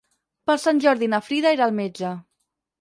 Per Sant Jordi na Frida irà al metge.